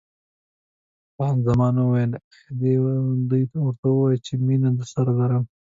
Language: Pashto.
خان زمان وویل: ایا دی ورته وایي چې مینه درسره لرم؟